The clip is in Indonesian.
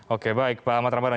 oke baik pak ahmad ramadan